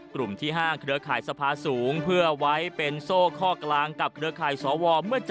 กลุ่มที่๕เครือข่ายสภาสูงเพื่อไว้เป็นโซ่ข้อกลางกับเครือข่ายสว